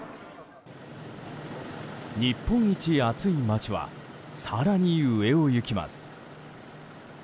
日本一暑い街は更に上を行きます。